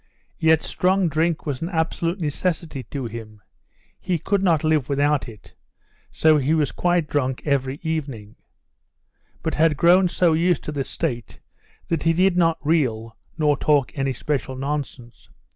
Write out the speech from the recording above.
Yet strong drink was an absolute necessity to him, he could not live without it, so he was quite drunk every evening; but had grown so used to this state that he did not reel nor talk any special nonsense.